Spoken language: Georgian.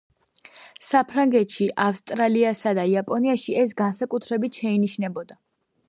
საფრანგეთში, ავსტრალიასა და იაპონიაში ეს განსაკუთრებით შეინიშნებოდა.